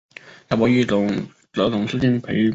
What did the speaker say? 贾宝玉则总是敬陪末座。